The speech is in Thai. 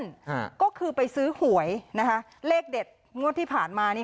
ฮะก็คือไปซื้อหวยนะคะเลขเด็ดงวดที่ผ่านมานี่